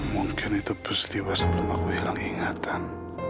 mungkin itu pasti bahasa belum aku hilang ingatan